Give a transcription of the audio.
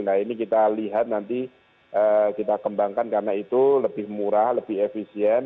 nah ini kita lihat nanti kita kembangkan karena itu lebih murah lebih efisien